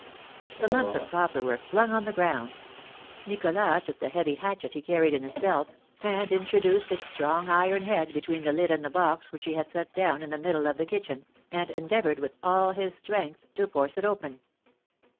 The lumps of copper were flung on the ground. Nicholas took the heavy hatchet he carried in his belt, and introduced its strong iron head between the lid and the box which he had set down in the middle of the kitchen, and endeavoured with all his strength to force it open.